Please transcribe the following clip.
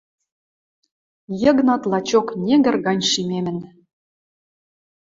Йыгнат лачок негр гань шимемӹн.